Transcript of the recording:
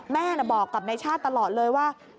แม่บอกกับนายชาติตลอดเลยว่า